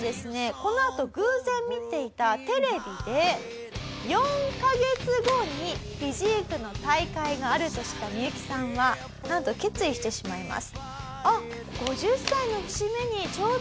このあと偶然見ていたテレビで４カ月後にフィジークの大会があると知ったミユキさんはなんと決意してしまいます。